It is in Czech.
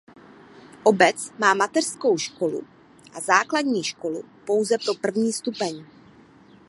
Obec má mateřskou školu a základní školu pouze pro první stupeň.